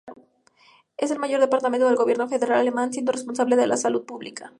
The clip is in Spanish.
Es el mayor departamento del Gobierno federal alemán, siendo responsable de la salud pública.